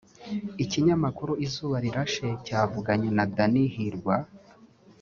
Ikinyamakuru Izuba Rirashe cyavuganye na Danny Hirwa